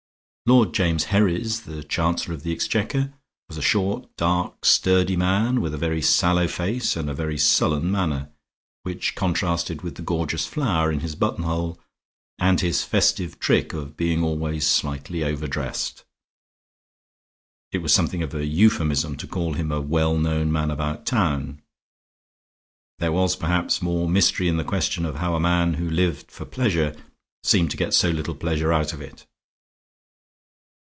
Lord James Herries, the Chancellor of the Exchequer, was a short, dark, sturdy man with a very sallow face and a very sullen manner, which contrasted with the gorgeous flower in his buttonhole and his festive trick of being always slightly overdressed. It was something of a euphemism to call him a well known man about town. There was perhaps more mystery in the question of how a man who lived for pleasure seemed to get so little pleasure out of it.